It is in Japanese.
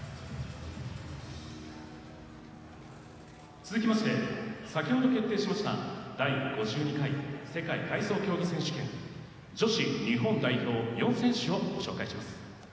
続きまして先程決定しました第５２回世界体操選手権女子日本代表４選手をご紹介します。